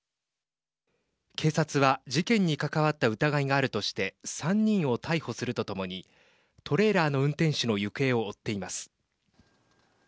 警察は、事件に関わった疑いがあるとして３人を逮捕するとともにトレーラーの運転手の行方を追っています。